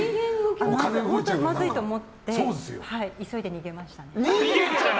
本当にまずいと思って急いで逃げましたね。